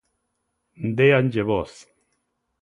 Déanlle voz.